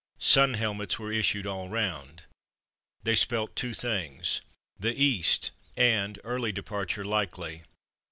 Sun helmets were issued all round. They spelt two things: The East! and early departure likely!